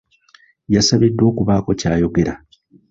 Yasabiddwa okubaako ky'ayogera.